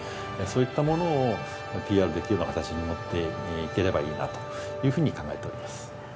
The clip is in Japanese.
そういったものをＰＲできるような形に持っていければいいなというふうに考えております。